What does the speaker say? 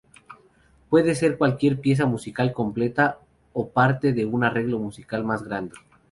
Puede ser cualquier pieza musical completa o parte de un arreglo musical más grande.